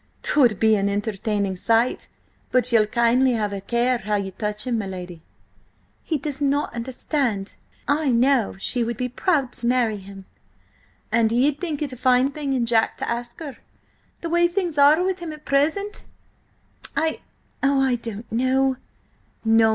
"'Twould be an entertaining sight, but ye'll kindly have a care how you touch him, my lady." "He does not understand. I know she would be proud to marry him—" "And ye'd think it a fine thing in Jack to ask her, the way things are with him at present?" "I–oh, I don't know!"